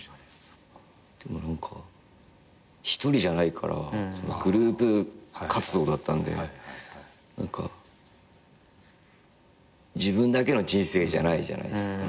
でも何か一人じゃないからグループ活動だったんで何か自分だけの人生じゃないじゃないですか。